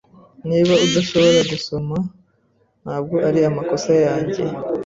Niba udashobora gusoma, ntabwo ari amakosa yanjye.